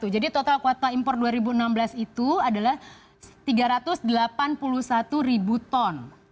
jadi total kota impor dua ribu enam belas itu adalah tiga ratus delapan puluh satu ribu ton